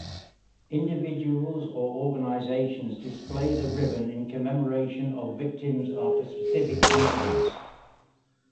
Individuals or organizations display the ribbon in commemoration of victims after specific incidents.